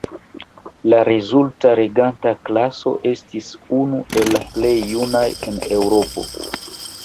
La rezulta reganta klaso estis unu el la plej junaj en Eŭropo.